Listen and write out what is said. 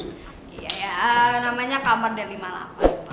iya ya namanya kamar d lima puluh delapan pak